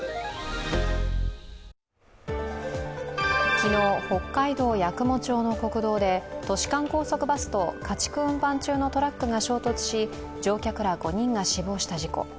昨日、北海道八雲町の国道で都市間高速バスと家畜運搬中のトラックが衝突し、乗客ら５人が死亡した事故。